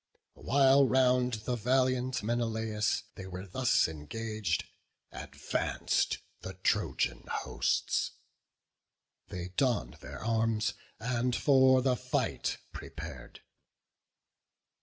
While round the valiant Menelaus they Were thus engag'd, advanc'd the Trojan hosts: They donn'd their arms, and for the fight prepar'd.